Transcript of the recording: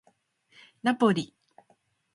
ナポリ